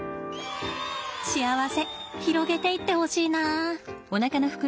幸せ広げていってほしいな。